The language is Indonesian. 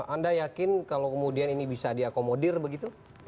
anda yakin kalau kemudian ini bisa diakomodir begitu